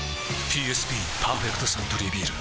ＰＳＢ「パーフェクトサントリービール」